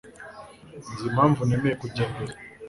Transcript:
Sinzi impamvu nemeye kujya mbere.